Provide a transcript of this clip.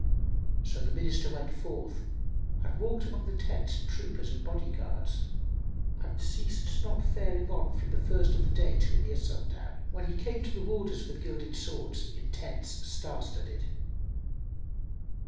So the Minister went forth and walked among the tents and troopers and body guards, and ceased not faring on from the first of the day till near sundown, when he came to the warders with gilded swords in tents star studded.